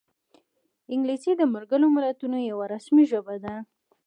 انګلیسي د ملګرو ملتونو یوه رسمي ژبه ده